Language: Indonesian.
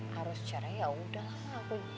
harus caranya yaudah lah